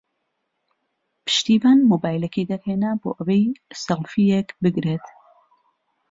پشتیوان مۆبایلەکەی دەرهێنا بۆ ئەوەی سێڵفییەک بگرێت.